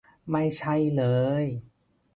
ไม่ใช่เลย